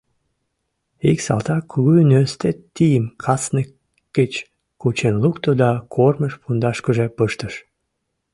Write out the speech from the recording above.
Ик салтак кугу нӧсте тийым каснык гыч кучен лукто да кормыж пундашкыже пыштыш.